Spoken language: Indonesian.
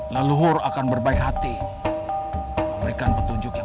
leluhur akan berjaya